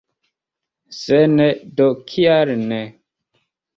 Se ne, do kial ne?